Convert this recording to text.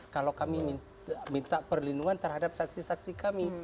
kalau kami minta perlindungan terhadap saksi saksi kami